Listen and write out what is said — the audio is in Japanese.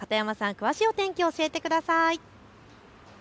詳しい天気教えてください。